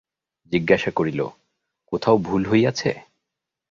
জিজ্ঞাসা করিল, কোথাও ভুল হইয়াছে?